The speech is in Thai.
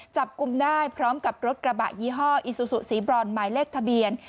จับกลุ่มได้พร้อมกับรถกระบะยี่ห้ออีซูซูสีบรอนหมายเลขทะเบียน